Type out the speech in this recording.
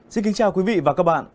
xin kính chào quý vị và các bạn